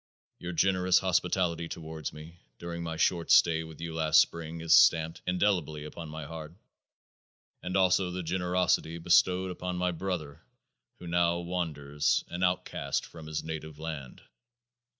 Your generous hospitality towards me, during my short stay with you last spring, is stamped indelibly upon my heart, and also the generosity bestowed upon my brother who now wanders, an outcast from his native land.